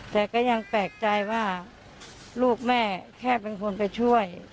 แต่ก็ยังแปลกใจว่าลูกแม่แค่เป็นคนไปช่วย